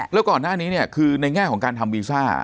แล้วก่อนหน้านี้เนี่ยคือในแง่ของการทำวีซ่า